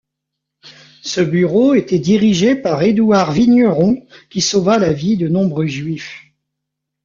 Ce bureau était dirigé par Edouard Vigneron qui sauva la vie de nombreux Juifs.